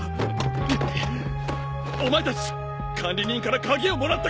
ぐっお前たち管理人から鍵をもらってこい！